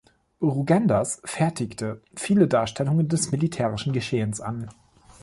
Rugendas fertigte viele Darstellungen des militärischen Geschehens an.